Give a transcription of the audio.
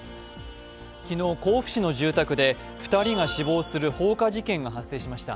昨日、甲府市の住宅で２人が死亡する放火事件が発生しました。